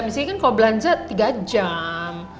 mas kiki kan kalau belanja tiga jam